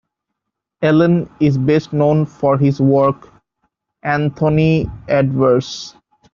Allen is best known for his work "Anthony Adverse".